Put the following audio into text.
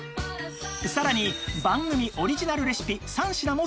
さらに番組オリジナルレシピ３品も付いています